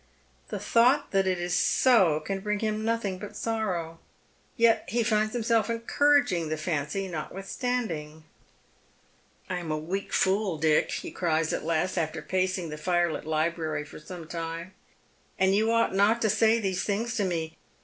The thought that it is so can bring him nothing but sorrow ; yet he finds himself encouraging the fancy not withstanding. " I am a weak fool, Dick," he cries at last, after pacing the fireht Ubrary for some time ;" and you ought not to say these things to me.